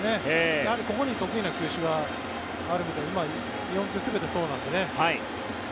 やはりここに得意な球種があるので４球全てそうなのでね。